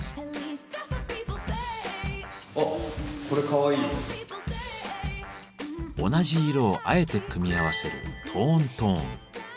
あっ同じ色をあえて組み合わせる「トーントーン」。